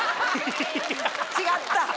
違った。